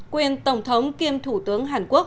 quyền tổng thống kiêm thủ tướng hàn quốc